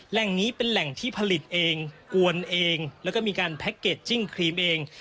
แหล่งนี้เป็นแหล่งที่ผลิตเองกวนเองแล้วก็มีการแพ็คเกจจิ้งครีมเอง